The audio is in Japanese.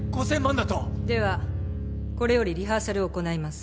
ではこれよりリハーサルを行います。